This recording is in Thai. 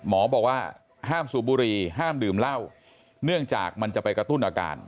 หมอบอกว่าห้ามสูบบุรีห้ามดื่มเหล้าเนื่องจากมันจะไปกระตุ้นอาการ